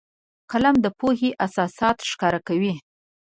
قلم د پوهې اساسات ښکاره کوي